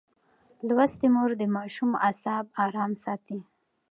لوستې مور د ماشوم اعصاب ارام ساتي.